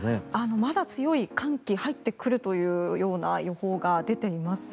まだ強い寒気入ってくるという予報が出ています。